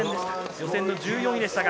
予選の１４位でした。